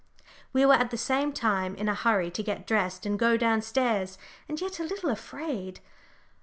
We were at the same time in a hurry to get dressed, and go down stairs, and yet a little afraid.